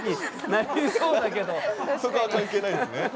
そこは関係ないんですね。